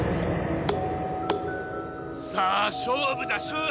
さあ勝負だ勝負！